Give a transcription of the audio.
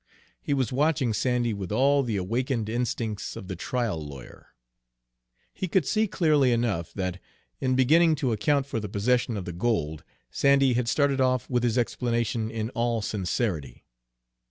He was watching Sandy with all the awakened instincts of the trial lawyer. He could see clearly enough that, in beginning to account for the possession of the gold, Sandy had started off with his explanation in all sincerity.